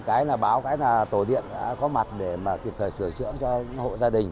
cái là báo cái là tổ điện đã có mặt để mà kịp thời sửa chữa cho hộ gia đình